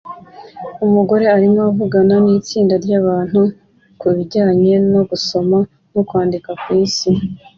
Umugore arimo avugana nitsinda ryabantu kubijyanye no gusoma no kwandika ku isi